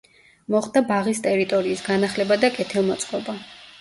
მოხდა ბაღის ტერიტორიის განახლება და კეთილმოწყობა.